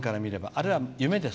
あれは夢です。